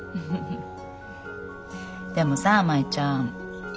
でもさ舞ちゃん。